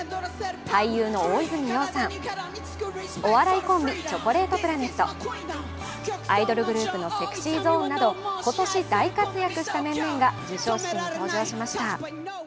俳優の大泉洋さん、お笑いコンビ、チョコレートプラネット、アイドルグループのＳｅｘｙＺｏｎｅなど今年大活躍した面々が授賞式に登場しました。